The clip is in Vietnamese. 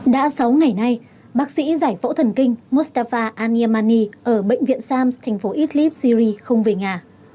đã sáu ngày nay bác sĩ giải phẫu thần kinh mustafa anyamani ở bệnh viện sam s thành phố idlib syri không về nhà